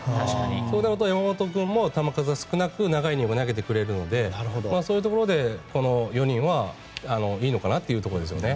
そうなると山本君も球数は少なく長いイニングを投げてくれるのでそういうところで、この４人はいいのかなというところですね。